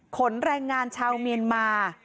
ขนแรงงานชาวเมียนมา